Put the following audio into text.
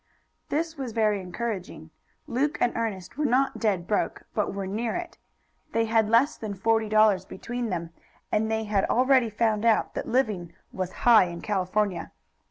This was very encouraging. Luke and Ernest were not dead broke, but were near it. They had less than forty dollars between them, and they had already found out that living was high in California.